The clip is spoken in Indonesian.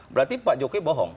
berarti pak jokowi bohong